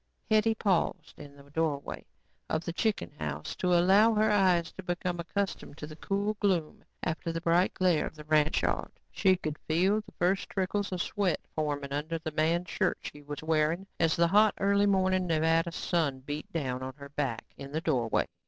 Hetty paused in the doorway of the chicken house to allow her eyes to become accustomed to the cool gloom after the bright glare of the ranch yard. She could feel the first trickles of sweat forming under the man's shirt she was wearing as the hot, early morning Nevada sun beat down on her back in the doorway.